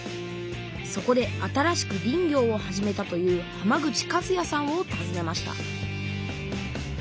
そこで新しく林業を始めたという浜口和也さんをたずねました